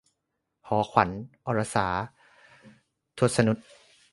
หอขวัญ - อรสา ทศนุต